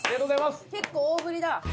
結構大ぶりだ。